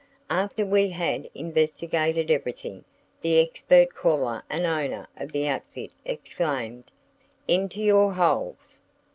"After we had investigated everything the expert caller and owner of the outfit exclaimed: 'Into your holes!'